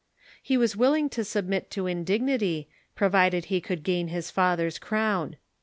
He was willing to submit to indignity, provided he could gain his father's crown.